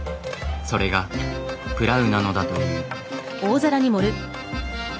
それがプラウなのだという。